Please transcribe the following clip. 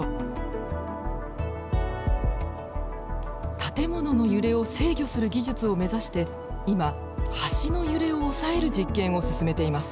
建物の揺れを制御する技術を目指して今橋の揺れを抑える実験を進めています。